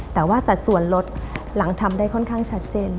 แต่ว่าสัดส่วนรถหลังทำได้ค่อนข้างชัดเจน